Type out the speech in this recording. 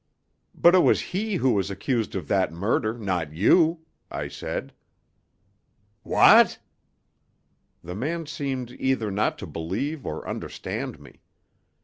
"But it was he who was accused of that murder, not you," I said. "What!" The man seemed either not to believe or understand me.